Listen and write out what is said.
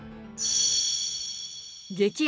激安！